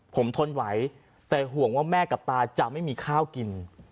ผมทนไหวแต่ห่วงว่าแม่กับตาจะไม่มีข้าวกิน